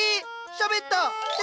しゃべった！って